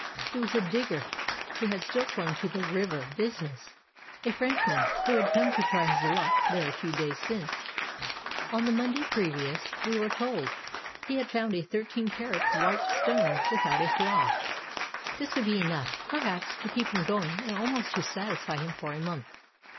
He was a digger who had still clung to the "river" busi ness ; a Frenchman who had come to try his luck there a few days since. On the IVIonday previous, — we were told, — he had found a 13 carat white stone without a flaw. This would be enough, perhaps, to keep him going and almost to satisfy him for a month.